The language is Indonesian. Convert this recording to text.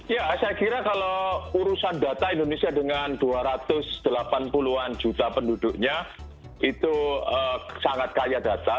ya saya kira kalau urusan data indonesia dengan dua ratus delapan puluh an juta penduduknya itu sangat kaya data